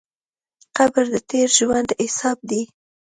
قبر د تېر ژوند حساب دی.